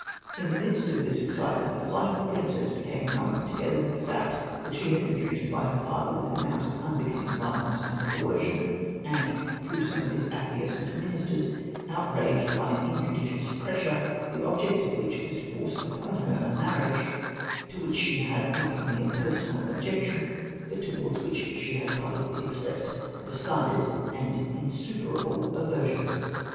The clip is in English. In the midst of this excitement the flight of the prhicess became known, together with the fact that she had been treated by her father mtli an amount of unbecoming violence and coercion, and through some of his acquiescent ministers outraged by an injudicious pressure, the object of which was to force upon her a marriage to which she had not only a personal ol^ jection, but t(^wards which she had pubhcly expressed a decided and insuperable aversion.